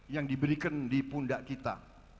yang diberikan di pundak kita